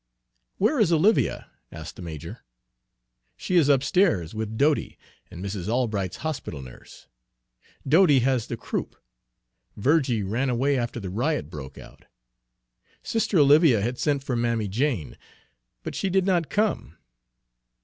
"Where is Olivia?" asked the major. "She is upstairs, with Dodie and Mrs. Albright's hospital nurse. Dodie has the croup. Virgie ran away after the riot broke out. Sister Olivia had sent for Mammy Jane, but she did not come.